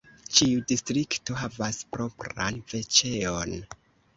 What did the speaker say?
Ĉiu distrikto havas propran veĉeon.